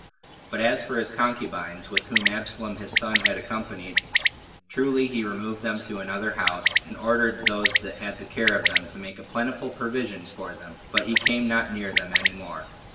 But as for his concubines, with whom Absalom his son had accompanied, truly he removed them to another house, and ordered those that had the care of them to make a plentiful provision for them, but he came not near them any more.